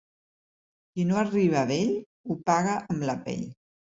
Qui no arriba a vell ho paga amb la pell.